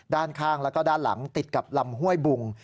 ด้านข้างแล้วก็ด้านหลังติดกับลำห้วยบุง